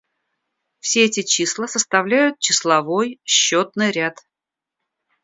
Все эти числа составляют числовой, счётный ряд.